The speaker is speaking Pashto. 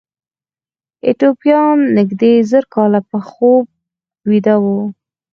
ایتوپیایان نږدې زر کاله په خوب ویده وو.